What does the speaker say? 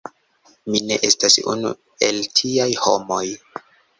Mi ne estas unu el tiaj homoj.